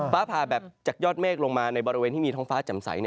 ฟ้าผ่าแบบจากยอดเมฆลงมาในบริเวณที่มีท้องฟ้าจำใส